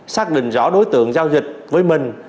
xác định rõ đối tượng giao dịch với mình